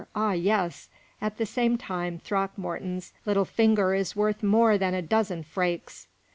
Ah! yes. At the same time, Throckmorton's little finger is worth more than a dozen Frekes."